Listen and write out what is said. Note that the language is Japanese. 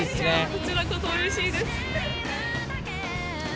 こちらこそうれしいです。